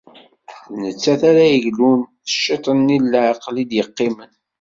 d nettat ara yeglun s ciṭ-nni n leɛqel i d-yeqqimen.